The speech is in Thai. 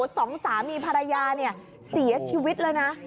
สองสามีภรรยาเนี่ยเสียชีวิตเลยนะ